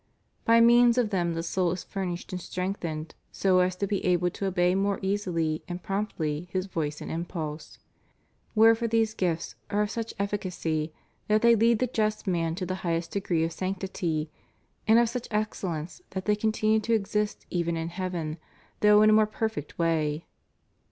By means of them the soul is furnished and strengthened so as to be able to obey more easily and promptly His voice and impulse. "WTierefore these gifts are of such efficacy that they lead the just man to the highest degree of sanctity ; and of such excellence that they continue to exist even in heaven, though in a more perfect way.